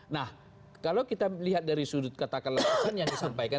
nah kalau kita lihat dari sudut katakanlah pesan yang disampaikan